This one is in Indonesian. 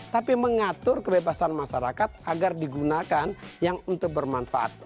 tapi mengatur kebebasan masyarakat agar digunakan yang untuk bermanfaat